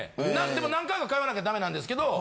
でも何回か通わなダメなんですけど。